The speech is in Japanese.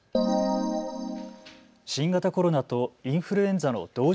新型コロナとインフルエンザの同時